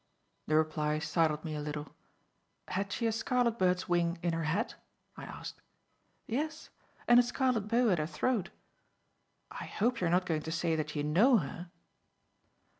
The reply startled me a little. "Had she a scarlet bird's wing in her hat?" I asked. "Yes, and a scarlet bow at her throat. I hope you are not going to say that you know her."